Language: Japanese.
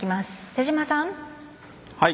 瀬島さん。